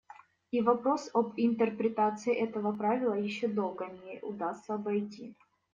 И вопрос об интерпретации этого правила еще долго не удастся обойти;.